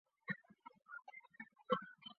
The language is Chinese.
多带黄皮坚螺是中国的特有物种。